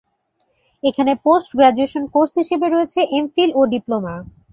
এখানে post graduation course হিসেবে রয়েছে এমফিল ও ডিপ্লোমা।